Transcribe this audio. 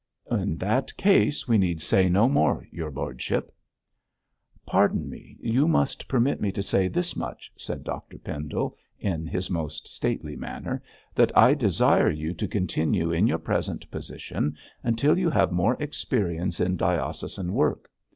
'In that case, we need say no more, your lordship.' 'Pardon me, you must permit me to say this much,' said Dr Pendle, in his most stately manner, 'that I desire you to continue in your present position until you have more experience in diocesan work.